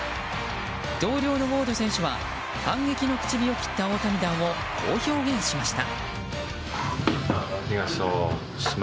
同僚のウォード選手は反撃の口火を切った大谷弾を、こう表現しました。